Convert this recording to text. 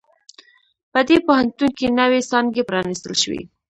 په دې پوهنتون کې نوی څانګي پرانیستل شوي